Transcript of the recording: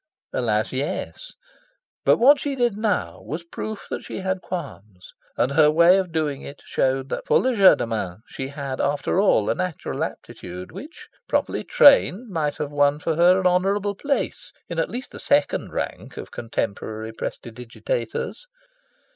Alas, yes. But what she now did was proof that she had qualms. And her way of doing it showed that for legerdemain she had after all a natural aptitude which, properly trained, might have won for her an honourable place in at least the second rank of contemporary prestidigitators.